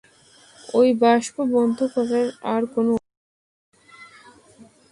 ওই বাষ্প বন্ধ করার আর কোনো উপায় নেই।